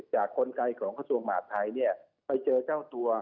จากคนไกลของข้อส่วนหมาภัยไปเจอเจ้าตัว